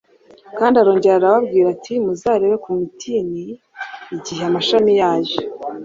Kandi arongera arababwira ati: "Muzarebere ku mutini igihe amashami yayo